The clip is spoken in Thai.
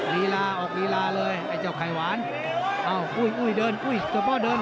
ลีลาออกลีลาเลยไอ้เจ้าไข่หวานเอ้าอุ้ยอุ้ยเดินอุ้ยเจ้าพ่อเดิน